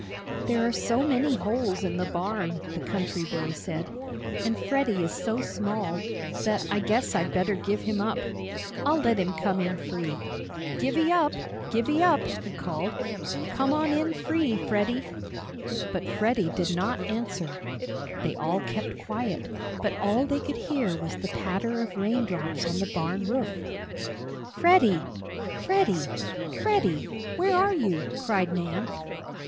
"There are so many holes in the barn," the country boy said, "and Freddie is so small, that I guess I'd better give him up. I'll let him come in free. Givey up! Givey up!" he called. "Come on in free, Freddie." But Freddie did not answer. They all kept quiet, but all they could hear was the patter of rain drops on the barn roof. "Freddie! Freddie! Freddie! Where are you?" cried Nan.